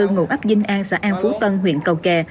ngụ áp vinh an xã an phú tân huyện cầu kè